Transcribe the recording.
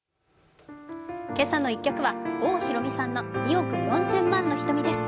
「けさの１曲」は郷ひろみさんの「２億４千万の瞳」です。